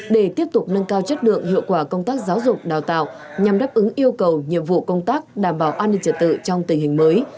để tiếp tục nâng cao chất lượng hiệu quả công tác giáo dục đào tạo nhằm đáp ứng yêu cầu nhiệm vụ công tác đảm bảo an ninh trật tự trong tình hình mới